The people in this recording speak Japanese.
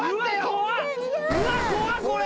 うわっ怖っこれ。